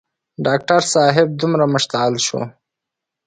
ډاکټر صاحب دومره مشتعل شو.